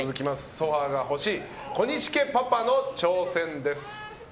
ソファが欲しい小西家パパの挑戦です。